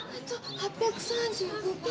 ８３５番。